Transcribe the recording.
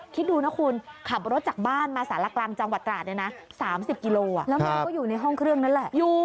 คิดดูนะคุณขับรถจากบ้านมาสารกลางจังหวัดตราด๓๐กิโลแล้วมันก็อยู่ในห้องเครื่องนั่นแหละ